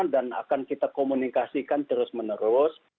dan akan kita komunikasikan terus menerus